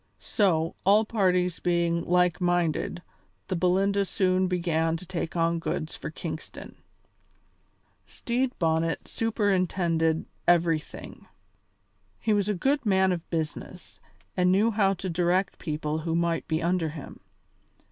So, all parties being like minded, the Belinda soon began to take on goods for Kingston. Stede Bonnet superintended everything. He was a good man of business, and knew how to direct people who might be under him.